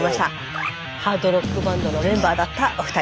ハードロックバンドのメンバーだったお二人。